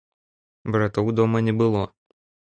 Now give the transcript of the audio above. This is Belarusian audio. Братоў дома не было.